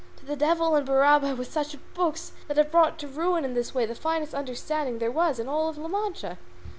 To the devil and Barabbas with such books, that have brought to ruin in this way the finest understanding there was in all La Mancha!"